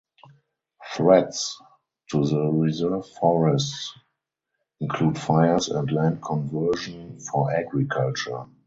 Threats to the reserve forests include fires and land conversion for agriculture.